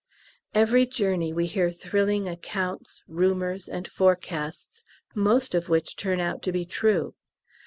Every journey we hear thrilling accounts, rumours, and forecasts, most of which turn out to be true.